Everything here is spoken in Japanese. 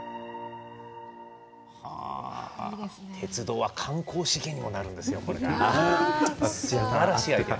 鉄道は観光資源にもなるんですよ。